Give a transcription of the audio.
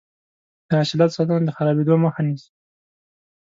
د حاصلاتو ساتنه د خرابیدو مخه نیسي.